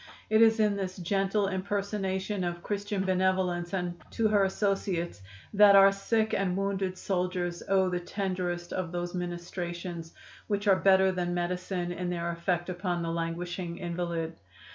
It is in this gentle impersonation of Christian benevolence and to her associates that our sick and wounded soldiers owe the tenderest of those ministrations which are better than medicine in their effect upon the languishing invalid.